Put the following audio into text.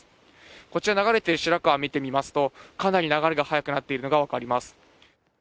こちら流れている白川を見てみますと、かなり流れが速くなっているのが分かります。